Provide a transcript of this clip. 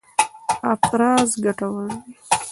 افراز ګټور دی.